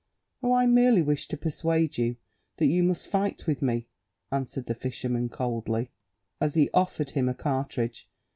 "Oh, I merely wish to persuade you that you must fight with me," answered the fisherman coldly, as he offered him a cartridge.